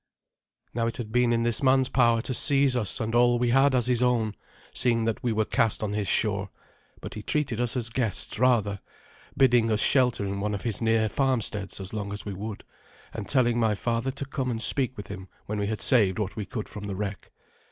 Now it had been in this man's power to seize us and all we had as his own, seeing that we were cast on his shore; but he treated us as guests rather, bidding us shelter in one of his near farmsteads as long as we would, and telling my father to come and speak with him when we had saved what we could from the wreck.